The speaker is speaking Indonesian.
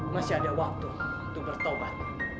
masih ada waktu untuk bertobat